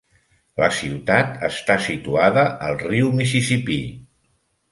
La ciutat està situada al riu Mississippi.